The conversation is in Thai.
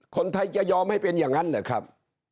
คนไทยจะยอมให้เป็นอย่างนั้นเหรอครับ